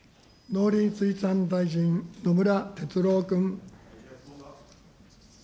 農林水産大臣、野村哲郎君。